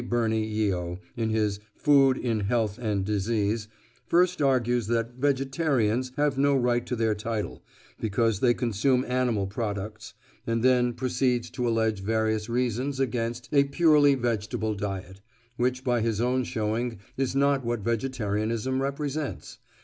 Burney Yeo, in his "Food in Health and Disease," first argues that "vegetarians" have no right to their title, because they consume animal products, and then proceeds to allege various reasons against "a purely vegetable diet," which by his own showing is not what vegetarianism represents.